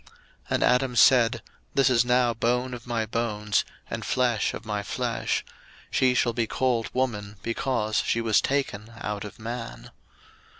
01:002:023 And Adam said, This is now bone of my bones, and flesh of my flesh: she shall be called Woman, because she was taken out of Man.